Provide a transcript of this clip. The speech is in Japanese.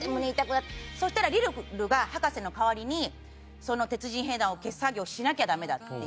そうしたら、リルルが博士の代わりにその鉄人兵団を消す作業をしなきゃだめだって。